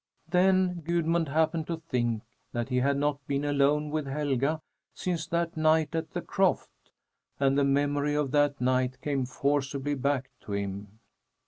Then Gudmund happened to think that he had not been alone with Helga since that night at the croft, and the memory of that night came forcibly back to him.